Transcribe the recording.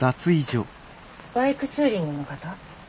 バイクツーリングの方？